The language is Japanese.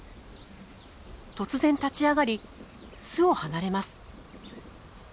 突然立ち上がり巣を離れます。